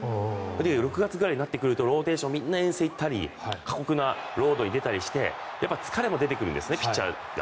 ６月ぐらいになってくるとローテーションみんな遠征に行ったり過酷なロードに出たりして疲れも出てくるんですねピッチャーが。